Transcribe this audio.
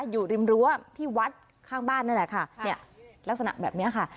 อยู่ริมรั้วที่วัดข้างบ้านนั่นแหละค่ะเนี่ยลักษณะแบบนี้ค่ะ